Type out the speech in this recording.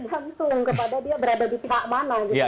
jantung kepada dia berada di pihak mana gitu